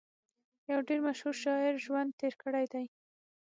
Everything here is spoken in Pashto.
يو ډېر مشهور شاعر ژوند تېر کړی دی